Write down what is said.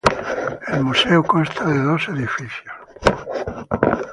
El museo consta de dos edificios.